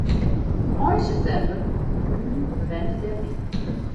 Ein septimber ferhuzen de bewenners dêrhinne.